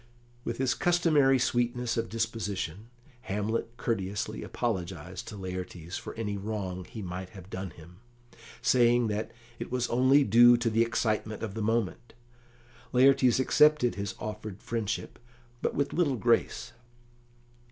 With his customary sweetness of disposition, Hamlet courteously apologised to Laertes for any wrong he might have done him, saying that it was only due to the excitement of the moment. Laertes accepted his offered friendship, but with little grace.